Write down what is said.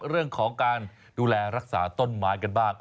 เรื่องของการดูแลรักษาต้นไม้กันบ้าง